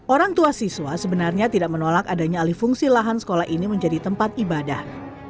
orang tua siswa sebenarnya tidak menolak adanya alih fungsi lahan sekolah ini menjadi tempat ibadah